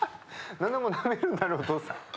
何でもなめるんだねお父さん。